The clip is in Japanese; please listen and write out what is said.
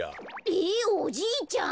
ええっおじいちゃん！